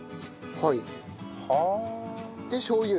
はい。